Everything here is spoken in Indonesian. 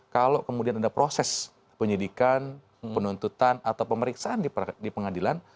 kalau kemudian ada proses penyidikan penuntutan atau pemeriksaan di pengadilan